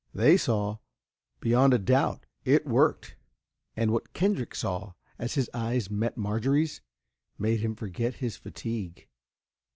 They saw. Beyond a doubt, it worked! And what Kendrick saw, as his eyes met Marjorie's, made him forget his fatigue.